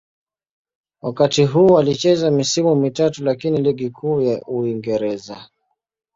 Wakati huu alicheza misimu mitatu katika Ligi Kuu ya Uingereza.